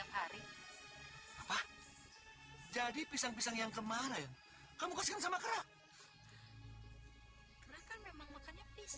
hai apa jadi pisang pisang yang kemarin kamu kasih sama kera